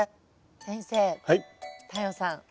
先生太陽さん